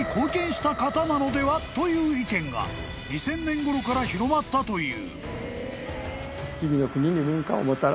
［という意見が２０００年ごろから広まったという］